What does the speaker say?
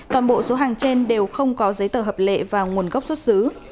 toàn bộ số hàng trên đều không có giấy tờ hợp lệ và nguồn gốc xuất xứ